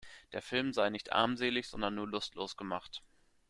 Der Film sei nicht armselig, sondern nur lustlos gemacht.